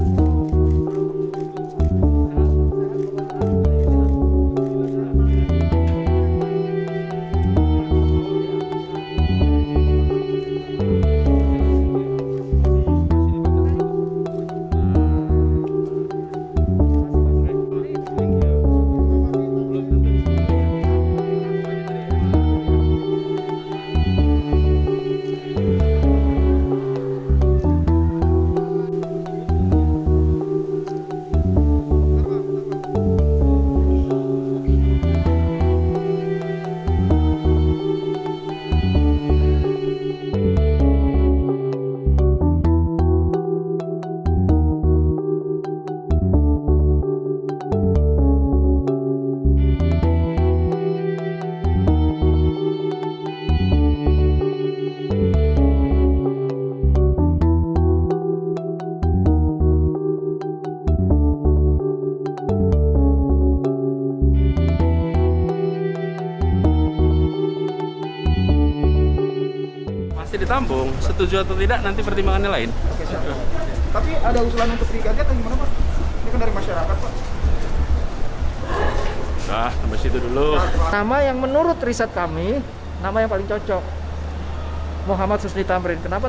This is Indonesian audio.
jangan lupa like share dan subscribe channel ini untuk dapat info terbaru dari kami